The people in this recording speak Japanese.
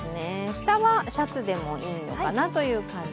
下はシャツでもいいのかなという感じ。